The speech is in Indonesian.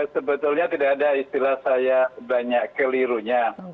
sebetulnya tidak ada istilah saya banyak kelirunya